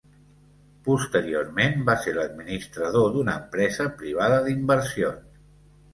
Posteriorment va ser l'administrador d'una empresa privada d'inversions.